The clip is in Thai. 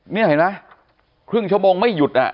นี่เห็นไหมครึ่งชั่วโมงไม่หยุดอ่ะ